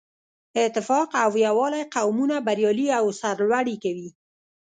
اتفاق او یووالی قومونه بریالي او سرلوړي کوي.